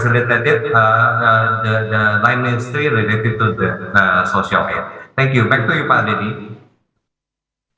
saya pikir ini adalah